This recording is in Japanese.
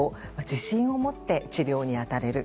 自信を持って治療に当たれる。